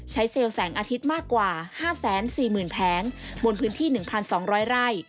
เซลล์แสงอาทิตย์มากกว่า๕๔๐๐๐แผงบนพื้นที่๑๒๐๐ไร่